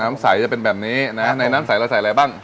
น้ำใสจะเป็นแบบนี้นะในน้ำใสเราใส่อะไรบ้าง